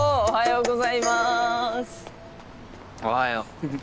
おはよう。